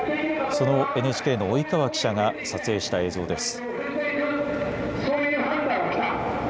そのＮＨＫの及川記者が撮影した映像です。